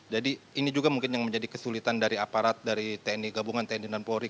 jadi ini juga mungkin yang menjadi kesulitan dari aparat dari gabungan tni dan polri